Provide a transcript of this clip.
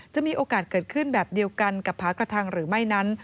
จะมีโอกาสเกิดขึ้นแบบเดียวกันกับผากระทังหรือไม่นั้น